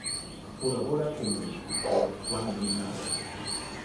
Colabora con el escultor Juan de Munar.